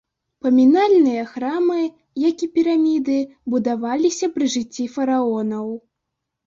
Памінальныя храмы, як і піраміды, будаваліся пры жыцці фараонаў.